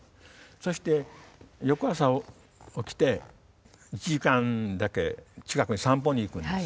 そして翌朝起きて１時間だけ近くに散歩に行くんです。